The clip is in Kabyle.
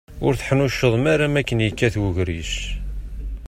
Ur teḥnuccḍem ara makken yekkat ugris.